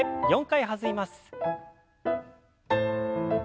４回弾みます。